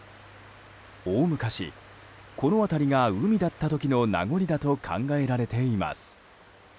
大昔、この辺りが海だった時の名残だと考えられています。